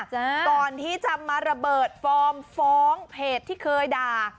ก่อนที่จะมาระเบิดฟอร์มฟ้องเพจที่เคยด่า